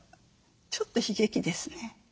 ちょっと悲劇ですね。